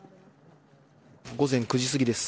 午前９時過ぎです。